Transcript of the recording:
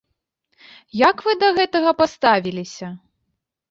Як вы да гэтага паставіліся?